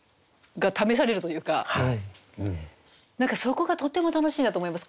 何かそこがとても楽しいなと思います。